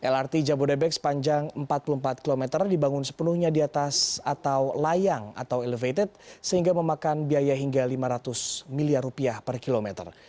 lrt jabodebek sepanjang empat puluh empat km dibangun sepenuhnya di atas atau layang atau elevated sehingga memakan biaya hingga lima ratus miliar rupiah per kilometer